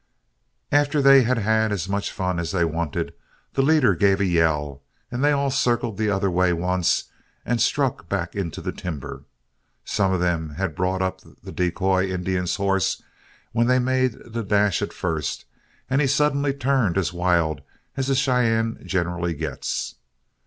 "After they had had as much fun as they wanted, the leader gave a yell and they all circled the other way once, and struck back into the timber. Some of them had brought up the decoy Indian's horse when they made the dash at first, and he suddenly turned as wild as a Cheyenne generally gets.